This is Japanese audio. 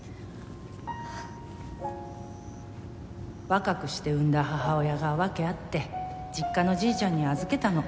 若くして産んだ母親が訳あって実家のじいちゃんに預けたの。